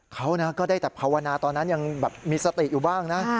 เขาก็ได้แต่ภาวนาตอนนั้นยังแบบมีสติอยู่บ้างนะ